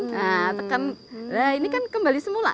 nah ini kan kembali semula